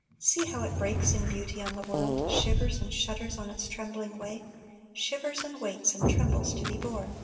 See how it breaks in beauty on the world, Shivers and shudders on its trembling way Shivers and waits and trembles to be born!